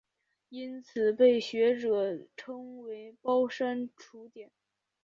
因此被学者称为包山楚简。